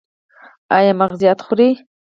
ایا مغزيات خورئ؟